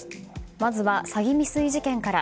まずは詐欺未遂事件から。